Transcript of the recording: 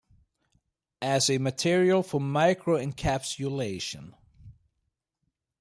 As a material for micro-encapsulation.